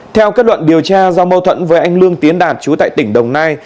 theo kết luận điều tra do mâu thuẫn với anh lương tiến đạt chú tại tỉnh đồng nai